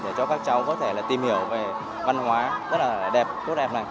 để cho các cháu có thể tìm hiểu về văn hóa rất là đẹp tốt đẹp này